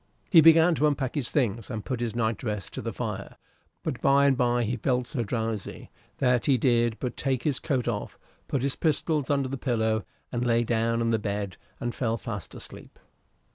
He began to unpack his things and put his nightdress to the fire; but by and by he felt so drowsy that he did but take his coat off, put his pistols under the pillow, and lay down on the bed and fell fast asleep.